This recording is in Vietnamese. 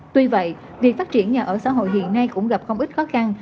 tuy vậy việc phát triển nhà ở xã hội hiện nay cũng gặp không ít khó khăn